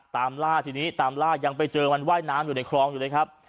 ตามล่าทีนี้ตามล่ายังไปเจอมันว่ายน้ำอยู่ในคลองอยู่เลยครับ